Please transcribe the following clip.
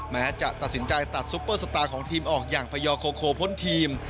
แม้จะตัดสินใจตัดซุปเปอร์สตาร์ของทีมออกอย่างพยอโคโคพ้นทีม